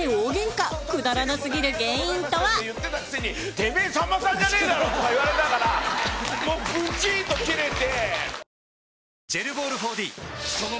「てめぇさんまさんじゃねえだろ！」とか言われたからもうブチっとキレて。